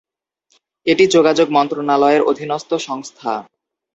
এটি যোগাযোগ মন্ত্রণালয়ের অধীনস্থ সংস্থা।